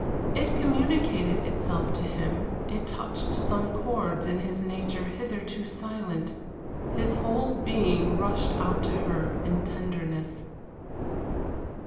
It communicated itself to him, it touched some chords in his nature hitherto silent. His whole being rushed out to her in tenderness.